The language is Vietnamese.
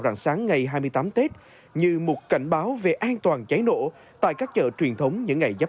rạng sáng ngày hai mươi tám tết như một cảnh báo về an toàn cháy nổ tại các chợ truyền thống những ngày giáp